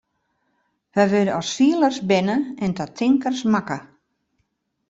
Wy wurde as fielers berne en ta tinkers makke.